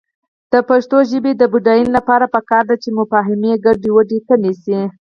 د پښتو ژبې د بډاینې لپاره پکار ده چې مفاهمې ګډوډي کمې شي.